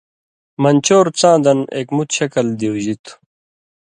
مَن چور څاں دَن ایک مُت شکَل دیُوژی تُھو،